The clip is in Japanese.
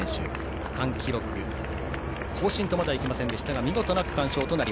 区間記録更新とはいきませんが見事な区間賞です。